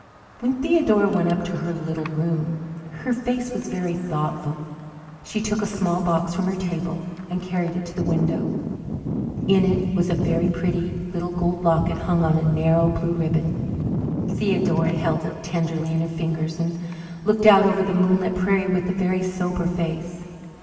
When Theodora went up to her little room her face was very thoughtful. She took a small box from her table and carried it to the window. In it was a very pretty little gold locket hung on a narrow blue ribbon. Theodora held it tenderly in her fingers, and looked out over the moonlit prairie with a very sober face.